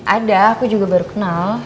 ada aku juga baru kenal